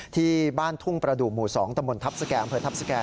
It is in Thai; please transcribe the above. ที่บ้านทุ่งประดูกหมู่๒ตำบลทัพสแก่อำเภอทัพสแก่